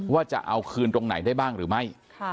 จะเอาคืนตรงไหนได้บ้างหรือไม่